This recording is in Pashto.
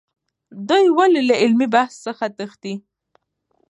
دوی ولې له علمي بحث څخه تښتي؟